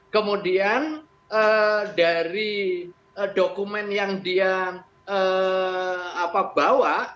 kemudian dari dokumen yang dia bawa